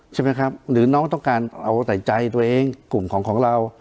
ใช่ไหมครับหรือน้องต้องการเอาแต่ใจตัวเองกลุ่มของเรา